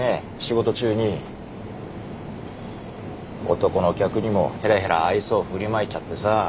男の客にもヘラヘラ愛想振りまいちゃってさ。